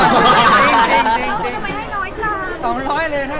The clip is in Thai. ไม่เอาเอาถั่วมาให้น้อยจ้า